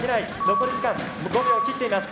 残り時間５秒を切っています。